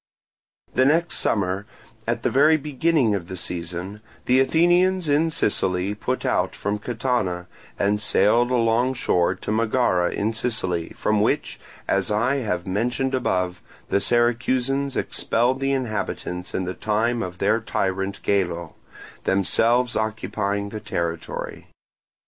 The next summer, at the very beginning of the season, the Athenians in Sicily put out from Catana, and sailed along shore to Megara in Sicily, from which, as I have mentioned above, the Syracusans expelled the inhabitants in the time of their tyrant Gelo, themselves occupying the territory.